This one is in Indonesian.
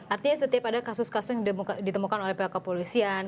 artinya setiap ada kasus kasus yang ditemukan oleh pihak kepolisian